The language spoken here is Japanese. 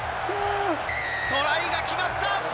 トライが決まった。